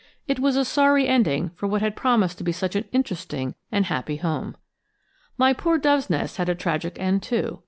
It was a sorry ending for what had promised to be such an interesting and happy home. My poor dove's nest had a tragic end, too.